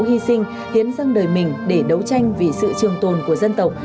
hy sinh hiến dâng đời mình để đấu tranh vì sự trường tồn của dân tộc